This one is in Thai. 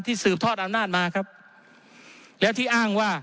สืบทอดอำนาจมาครับแล้วที่อ้างว่า